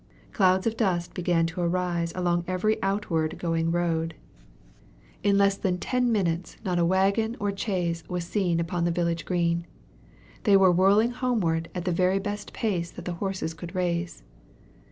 Clouds of dust began to arise along every outward going road. In less than ten minutes not a wagon or chaise was seen upon the village green. They were whirling homeward at the very best pace that the horses could raise.